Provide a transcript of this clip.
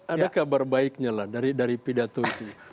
ada kabar baiknya lah dari pidato itu